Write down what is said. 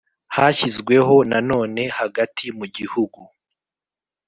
Hashyizweho na none hagati mu gihugu